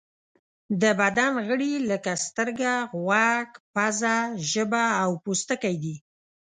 د بدن غړي لکه سترګه، غوږ، پزه، ژبه او پوستکی دي.